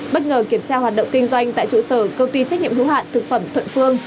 bất ngờ kiểm tra hoạt động kinh doanh tại trụ sở công ty trách nhiệm hữu hạn thực phẩm thuận phương